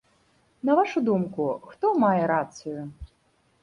На вашу думку, хто мае рацыю?